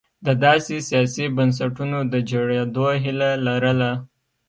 د داسې سیاسي بنسټونو د جوړېدو هیله لرله.